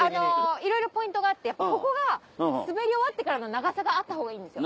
いろいろポイントがあってここが滑り終わってからの長さがあったほうがいいんですよ。